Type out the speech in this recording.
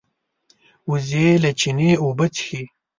وزې له چینې اوبه څښي